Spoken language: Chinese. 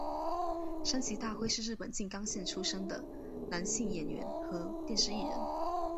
山崎大辉是日本静冈县出生的男性演员和电视艺人。